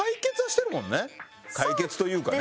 解決というかね